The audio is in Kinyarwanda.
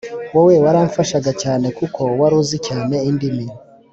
wowe waramfashaga cyane kuko wari uzi cyane indimi